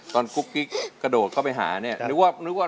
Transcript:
ตอนกุ๊กกิ๊กกระโดดเขาไปหาเนี่ย